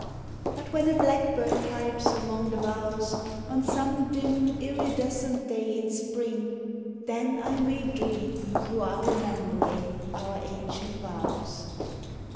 But when a blackbird pipes among the boughs, On some dim, iridescent day in spring, Then I may dream you are remembering Our ancient vows.